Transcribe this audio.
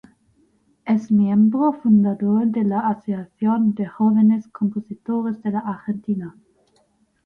Es miembro fundador de la Asociación de Jóvenes Compositores de la Argentina.